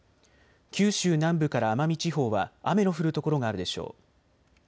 九州南部から奄美地方は雨の降る所があるでしょう。